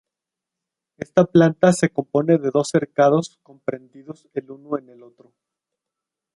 Esta planta se compone de dos cercados comprendidos el uno en el otro.